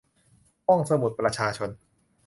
ห้องสมุดประชาชน